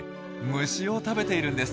虫を食べているんです。